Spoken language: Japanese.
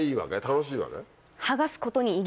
楽しいわけ？